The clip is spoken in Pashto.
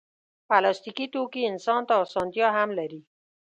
پلاستيکي توکي انسان ته اسانتیا هم لري.